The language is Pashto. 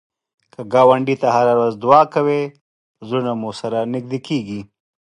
که ګاونډي ته هره ورځ دعا کوې، زړونه مو سره نږدې کېږي